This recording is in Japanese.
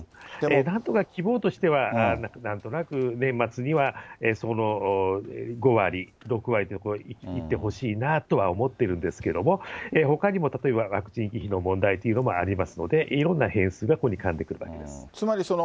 なんとか希望としては、なんとなく年末にはその５割、６割といってほしいなとは思ってるんですけれども、ほかにも例えば、ワクチン危機の問題というのがありますので、いろんなケースがここに絡んでくるわけです。